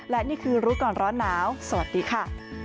และนี่คือรู้ก่อนร้อนหนาวสวัสดีค่ะ